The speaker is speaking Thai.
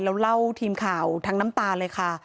แล้วเล่าทีมข่าวทั้งน้ำตาเลยค่ะ